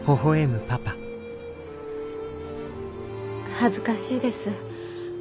恥ずかしいです。